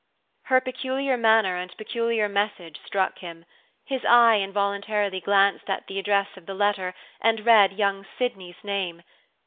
'" Her peculiar manner and peculiar message struck him. His eye involuntarily glanced at the address of the letter and read young Sydney's name.